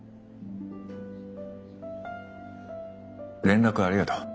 連絡ありがとう。